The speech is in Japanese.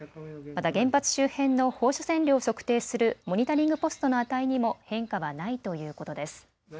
また原発周辺の放射線量を測定するモニタリングポストの値にも変化はないということです。